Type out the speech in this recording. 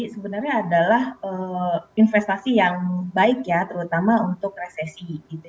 sebenarnya adalah investasi yang baik ya terutama untuk resesi